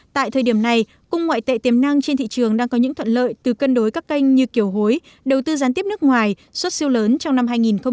tại thời điểm này cung ngoại tệ tiềm năng trên thị trường đang có những thuận lợi từ cân đối các kênh như kiều hối đầu tư gián tiếp nước ngoài xuất siêu lớn trong năm hai nghìn hai mươi